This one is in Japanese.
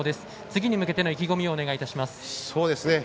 次の向けての意気込みをお願いいたします。